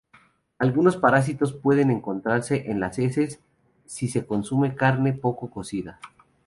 Algunos parásitos pueden encontrarse en las heces si se consume carne poco cocida.